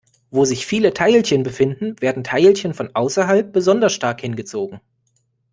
Wo sich viele Teilchen befinden, werden Teilchen von außerhalb besonders stark hingezogen.